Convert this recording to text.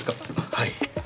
はい。